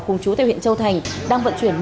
cùng chú tây nguyễn châu thành đang vận chuyển